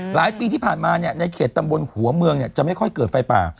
ปีที่ผ่านมาในเขตตำบลหัวเมืองจะไม่ค่อยเกิดไฟป่า